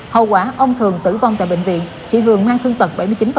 hậu quả ông thường tử vong tại bệnh viện chị hường mang thương tật bảy mươi chín